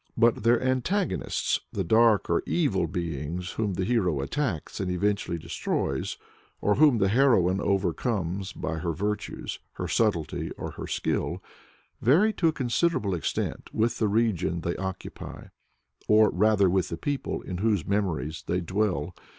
But their antagonists the dark or evil beings whom the hero attacks and eventually destroys, or whom the heroine overcomes by her virtues, her subtlety, or her skill vary to a considerable extent with the region they occupy, or rather with the people in whose memories they dwell.